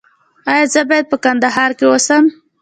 ایا زه باید په کندهار کې اوسم؟